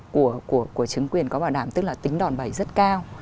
của chứng quyền có bảo đảm tức là tính đòn bẩy rất cao